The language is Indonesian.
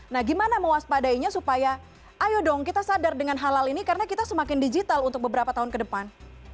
nah gimana mewaspadainya supaya ayo dong kita sadar dengan halal ini karena kita semakin digital untuk beberapa tahun ke depan